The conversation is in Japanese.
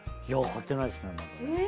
いや買ってないですね。